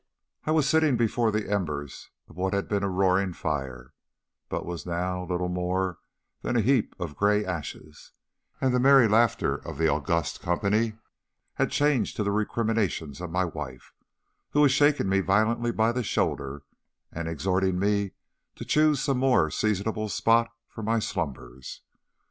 I was sitting before the embers of what had been a roaring fire, but was now little more than a heap of grey ashes, and the merry laughter of the august company had changed to the recriminations of my wife, who was shaking me violently by the shoulder and exhorting me to choose some more seasonable spot for my slumbers.